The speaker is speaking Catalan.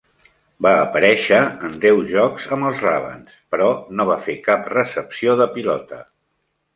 Va aparèixer en deu jocs amb els Ravens, però no va fer cap recepció de pilota.